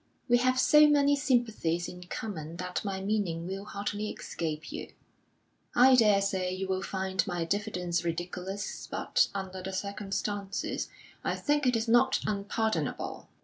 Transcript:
We have so many sympathies in common that my meaning will hardly escape you. I daresay you will find my diffidence ridiculous, but, under the circumstances, I think it is not unpardonable.